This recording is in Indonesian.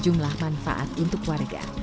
jumlah manfaat untuk warga